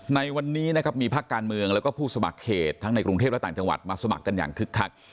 ในวันนี้นะครับมีภาคการเมืองแล้วก็ผู้สมัครเขตทั้งในกรุงเทพและต่างจังหวัดมาสมัครกันอย่างคึกคัก